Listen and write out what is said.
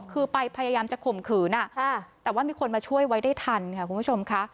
คือไปพยายามจะข่มขืนแต่ว่ามีคนมาช่วยไว้ได้ทันค่ะคุณผู้ชมค่ะ